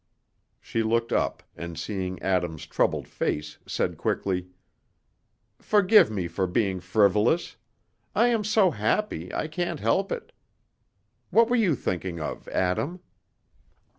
She looked up, and seeing Adam's troubled face said quickly, "Forgive me for being frivolous; I am so happy, I can't help it. What were you thinking of, Adam?"